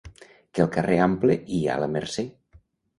Que al carrer Ample hi ha la Mercè.